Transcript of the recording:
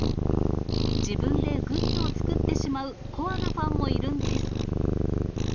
自分でグッズを作ってしまう、コアなファンもいるんです。